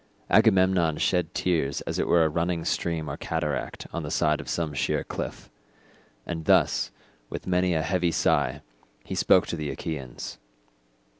Agamemnon shed tears as it were a running stream or cataract on the side of some sheer cliff; and thus, with many a heavy sigh he spoke to the Achaeans.